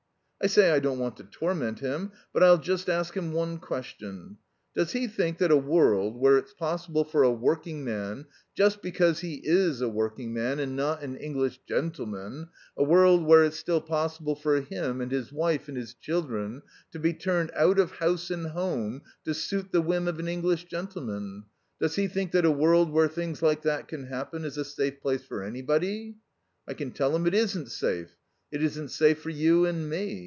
I say I don't want to torment him, but I'll just ask him one question: Does he think that a world where it's possible for a working man, just because he is a working man and not an English gentleman, a world where it's still possible for him, and his wife and his children, to be turned out of house and home to suit the whim of an English gentleman; does he think that a world where things like that can happen is a safe place for anybody? "I can tell him it isn't safe. It isn't safe for you and me.